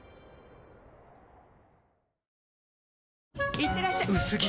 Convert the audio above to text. いってらっしゃ薄着！